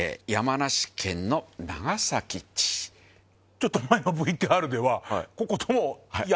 ちょっと前のＶＴＲでは。